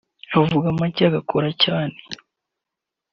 avuga make agakora cyane